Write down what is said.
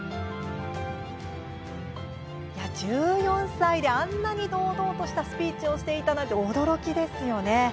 １４歳であんなに堂々としたスピーチをしていたなんて驚きですよね。